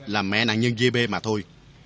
là mẹ nạn nhân giê bê mà thôi